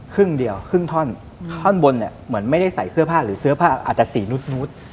ครึ่งเดียวครึ่งท่อนท่อนบนเนี่ยเหมือนไม่ได้ใส่เสื้อผ้าหรือเสื้อผ้าอาจจะสีนูด